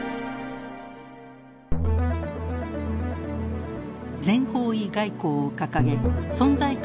全方位外交を掲げ存在感を増すトルコ。